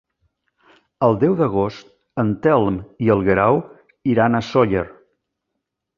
El deu d'agost en Telm i en Guerau iran a Sóller.